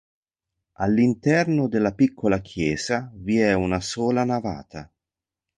All'interno della piccola chiesa vi è una sola navata.